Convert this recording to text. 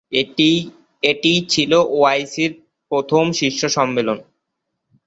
এটিই ছিল ওআইসির প্রথম শীর্ষ সম্মেলন।